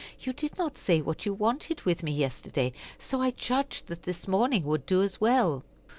You did not say what you wanted with me yesterday, so I judged that this morning would do as well."